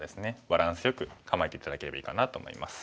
バランスよく構えて頂ければいいかなと思います。